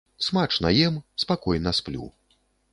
Смачна ем, спакойна сплю.